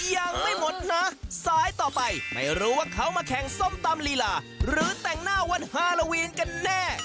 ยังไม่หมดนะสายต่อไปไม่รู้ว่าเขามาแข่งส้มตำลีลาหรือแต่งหน้าวันฮาโลวีนกันแน่